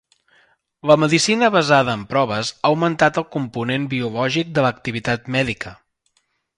La medicina basada en proves ha augmentat el component biològic de l'activitat mèdica.